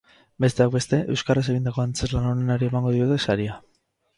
Besteak beste, euskaraz egindako antzezlan onenari emango diote saria.